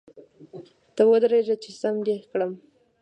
ته ودرېږه چي ! سم دي کړم .